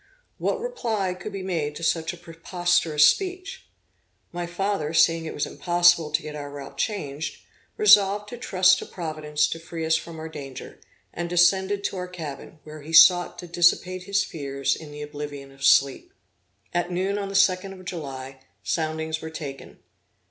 What reply could be made to such a preposterous speech? My father, seeing it was impossible to get our route changed, resolved to trust to Providence to free us from our danger, and descended to our cabin, where he sought to dissipate his fears in the oblivion of sleep. At noon on the 2d of July, soundings were taken.